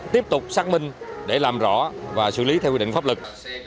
tiếp tục xác minh để làm rõ và xử lý theo quy định pháp lực